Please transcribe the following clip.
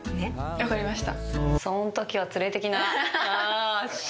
分かりました。